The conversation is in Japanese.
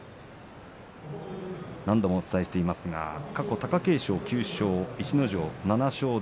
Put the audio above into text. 何度もお伝えしていますが過去、貴景勝が９勝逸ノ城が７勝。